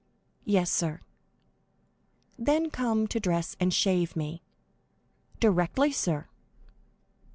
"Yes, sir." "Then come to dress and shave me." "Directly, sir."